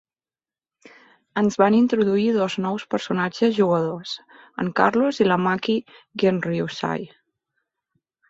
Es van introduir dos nous personatges jugadors: en Carlos i la Maki Genryusai.